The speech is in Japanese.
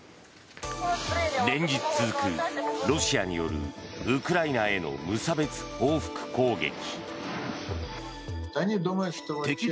連日続くロシアによるウクライナへの無差別報復攻撃。